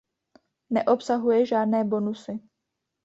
Neobsahuje žádné bonusy.